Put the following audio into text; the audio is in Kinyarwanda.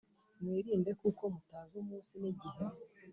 Mwirinde kuko mutazi umunsi n’igihe